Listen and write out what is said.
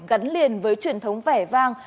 gắn liền với truyền thống vẻ vang